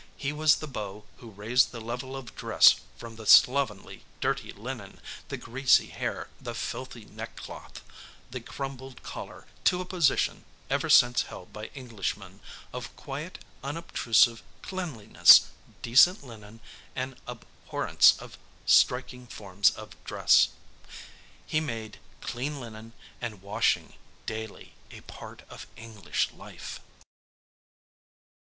He was the Beau who raised the level of dress from the slovenly, dirty linen, the greasy hair, the filthy neckcloth, the crumbled collar, to a position, ever since held by Englishmen, of quiet, unobtrusive cleanliness, decent linen, an abhorrence of striking forms of dress. He made clean linen and washing daily a part of English life.